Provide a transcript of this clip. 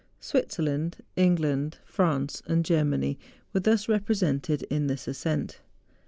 Switzerland, England, France, and Germany, were thus represented in this ascent.